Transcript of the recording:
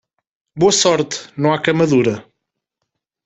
Boa sorte, não há cama dura.